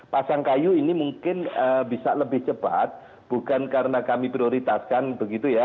pasangkayu ini mungkin bisa lebih cepat bukan karena kami prioritaskan begitu ya